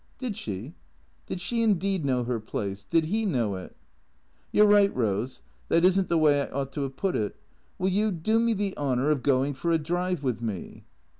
Did she ? Did she indeed know her place ? Did he know it ?" You 're right, Eose. That is n't the way I ought to have put it. Will you do me the honour of going for a drive with me?